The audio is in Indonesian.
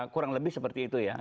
kurang lebih seperti itu ya